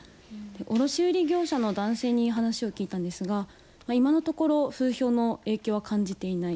卸売業者の男性に話を聞いたんですが、今のところ風評の影響は感じていない。